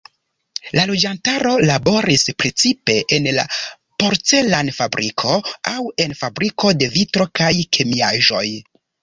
La loĝantaro laboris precipe en la porcelan-fabriko aŭ en fabriko de vitro kaj kemiaĵoj.